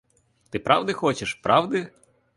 Ти правди хочеш, правди?